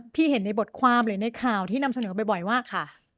เห็นในบทความหรือในข่าวที่นำเสนอบ่อยว่าค่ะ